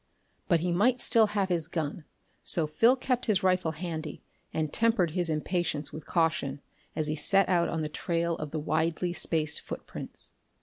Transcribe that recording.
But he might still have his gun, so Phil kept his rifle handy, and tempered his impatience with caution as he set out on the trail of the widely spaced footprints.